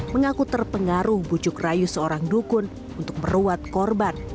mengaku terpengaruh bujuk rayu seorang dukun untuk meruat korban